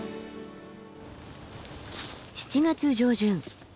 ７月上旬。